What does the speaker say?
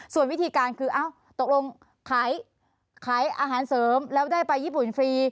ส่วนวิธีการคือตกลงขายอาหารเสริมแล้วได้ไปญี่ปุ่นฟรี